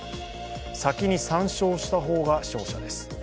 先に３勝した方が勝者です。